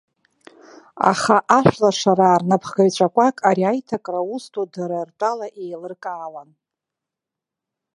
Аха ашәлашарааа рнапхгаҩцәақәак ари аиҭакра ус ду дара ртәала еилыркаауан.